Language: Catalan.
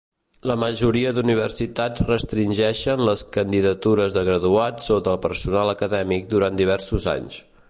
La majoria d'universitats restringeixen les candidatures de graduats o de personal acadèmic durant diversos anys.